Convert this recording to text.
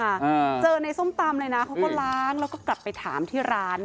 อ่าเจอในส้มตำเลยนะเขาก็ล้างแล้วก็กลับไปถามที่ร้าน